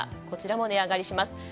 こちらも値上がります。